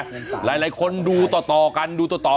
หลายคนดูต่อกัน